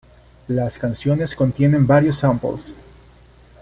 Las canciones contienen varios samples.